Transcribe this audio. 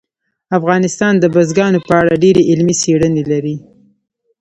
افغانستان د بزګانو په اړه ډېرې علمي څېړنې لري.